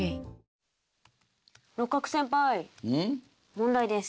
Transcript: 問題です。